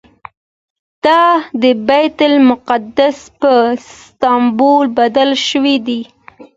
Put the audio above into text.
دا د بیت المقدس په سمبول بدل شوی دی.